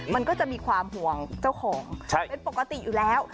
มันก็จะมีความห่วงเจ้าของเป็นปกติอยู่แล้ว